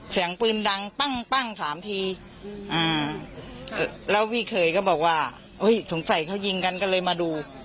เสียงปืนดังปั้งปั้งสามทีแล้วพี่เคยก็บอกว่าสงสัยเขายิงกันก็เลยมาดู